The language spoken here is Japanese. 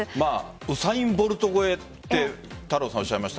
ウサイン・ボルト越えって太郎さん、おっしゃいました。